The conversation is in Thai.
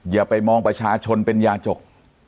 อย่าไปมองประชาชนเป็นยาจก